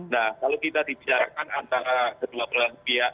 nah kalau kita dibicarakan antara kedua belahan pihak